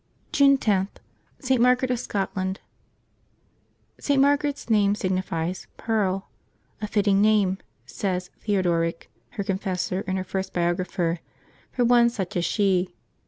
June 10.— ST. MARGARET OF SCOTLAND. @T. Margaret's name signifies "pearl;" "a fitting name/' says Theodoric, her confessor and her first biographer, " for one such as she."